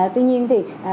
tuy nhiên thì